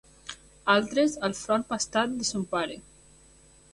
Altres, el front pastat de son pare